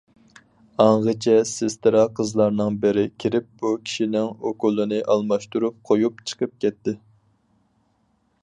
ئاڭغىچە سېسترا قىزلارنىڭ بىرى كىرىپ، بۇ كىشىنىڭ ئوكۇلىنى ئالماشتۇرۇپ قويۇپ چىقىپ كەتتى.